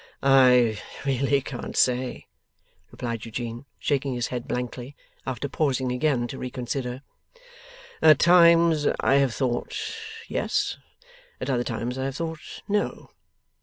'I really can't say,' replied Eugene, shaking his head blankly, after pausing again to reconsider. 'At times I have thought yes; at other times I have thought no.